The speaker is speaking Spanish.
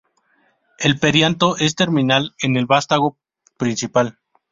El perianto es terminal en el vástago principal.